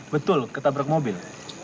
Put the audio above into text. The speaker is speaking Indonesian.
betul ketabrak mobil